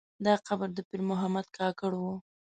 دا قبر د پیر محمد کاکړ و.